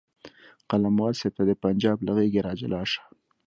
قلموال صاحب ته د پنجاب له غېږې راجلا شه.